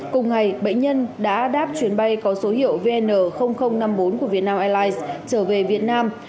cùng ngày bệnh nhân đã đáp chuyến bay có số hiệu vn năm mươi bốn của vietnam airlines trở về việt nam